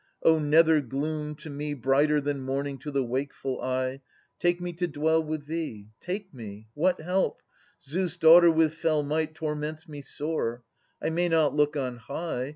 O nether gloom, to me Brighter than morntng to the wakeful eye! Take me to dwell with thee. Take me! What help? Zeus' daughter with fell might Torments me sore. I may not look on high.